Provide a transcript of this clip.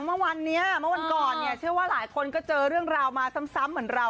เมื่อวันก่อนเชื่อว่าหลายคนก็เจอเรื่องราวมาซ้ำเหมือนเรา